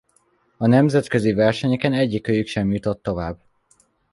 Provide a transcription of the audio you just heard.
A nemzetközi versenyeken egyikőjük sem jutott tovább.